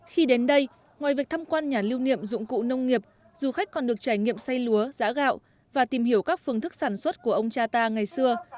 khi đến đây ngoài việc thăm quan nhà lưu niệm dụng cụ nông nghiệp du khách còn được trải nghiệm say lúa giã gạo và tìm hiểu các phương thức sản xuất của ông cha ta ngày xưa